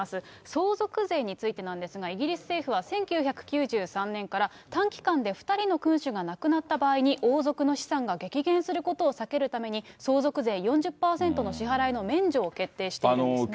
相続税についてなんですが、イギリス政府は１９９３年から、短期間で２人の君主が亡くなった場合に王族の資産が激減することを避けるために、相続税４０％の支払いの免除を決定しているんですね。